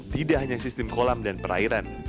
tidak hanya sistem kolam dan perairan